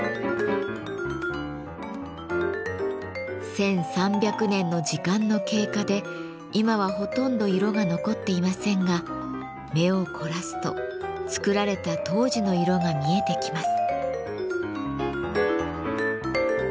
１，３００年の時間の経過で今はほとんど色が残っていませんが目を凝らすと作られた当時の色が見えてきます。